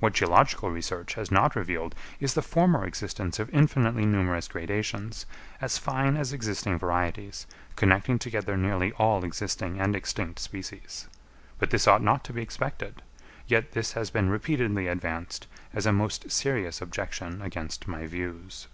What geological research has not revealed, is the former existence of infinitely numerous gradations, as fine as existing varieties, connecting together nearly all existing and extinct species. But this ought not to be expected; yet this has been repeatedly advanced as a most serious objection against my views.